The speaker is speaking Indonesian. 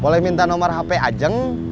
boleh minta nomor hp ajeng